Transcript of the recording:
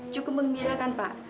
cukup menggembirakan pak